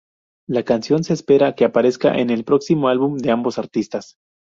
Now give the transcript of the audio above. La canción se espera que aparezca en el próximo álbum de ambos artistas.